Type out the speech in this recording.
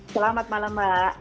selamat malam mbak